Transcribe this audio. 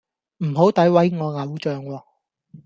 唔好詆毀我偶像喎